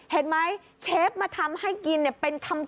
เห็นไหมเชฟมาทำให้กินเป็นคำเลย